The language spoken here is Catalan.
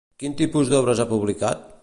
Quin tipus d'obres ha publicat?